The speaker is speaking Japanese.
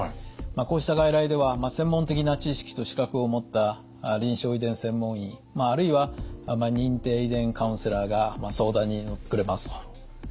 こうした外来では専門的な知識と資格を持った臨床遺伝専門医あるいは認定遺伝カウンセラーが相談に乗ってくれます。